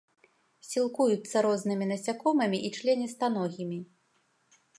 Сілкуюцца рознымі насякомымі і членістаногімі.